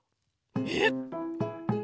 えっ？